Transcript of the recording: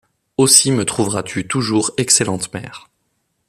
Aussi me trouveras-tu toujours excellente mère.